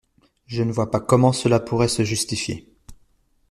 Je ne vois pas comment cela pourrait se justifier.